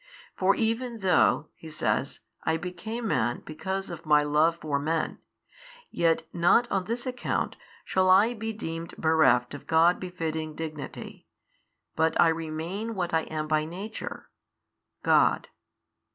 For even though (He says) I became Man because of My Love for men, yet not on this account shall I be deemed bereft of God befitting Dignity, but I remain what I am by Nature, God.